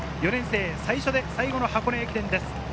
最初で最後の箱根駅伝です。